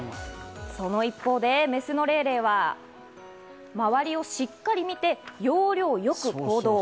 その一方で、メスのレイレイは周りをしっかり見て要領よく行動。